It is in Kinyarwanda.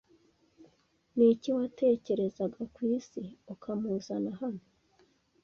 Niki watekerezaga ku isi, ukamuzana hano?